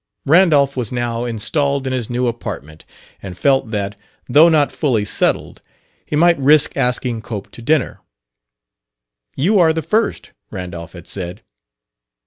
Randolph was now installed in his new apartment and felt that, though not fully settled, he might risk asking Cope to dinner. "You are the first," Randolph had said.